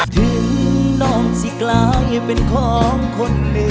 ถึงน้องสิกลางเป็นของคนหนึ่ง